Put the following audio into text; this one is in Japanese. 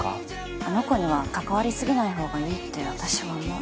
あの子には関わりすぎないほうがいいって私は思う。